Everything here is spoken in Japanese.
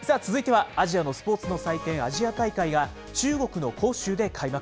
続いてはアジアのスポーツの祭典、アジア大会が中国の杭州で開幕。